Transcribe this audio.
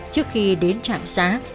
trước khi đến trạm xã